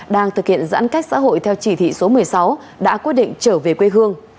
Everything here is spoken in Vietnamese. đang thực hiện giãn cách xã hội theo chỉ thị số một mươi sáu đã quyết định trở về quê hương